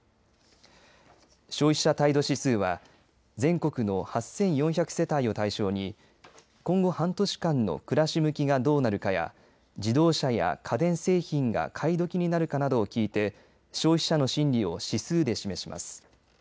消費者態度指数は全国の８４００世帯を対象に今後半年間の暮らし向きがどうなるかや自動車や家電製品が買いどきになるかなどを聞いて消費者の心理を指数で示します。